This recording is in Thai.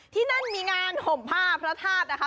ที่นั่นมีงานห่มผ้าพระธาตุนะคะ